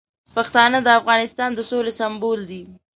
پښتانه د افغانستان د سولې سمبول دي.